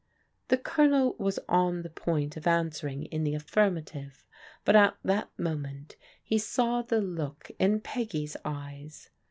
The Colonel was on the point of answering in the af firmative, but at that moment he saw the look in Peggy's eyes.